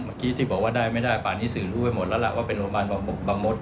เมื่อกี้ที่บอกว่าได้ไม่ได้ป่านนี้สื่อรู้ไปหมดแล้วล่ะว่าเป็นโรงพยาบาลบางมด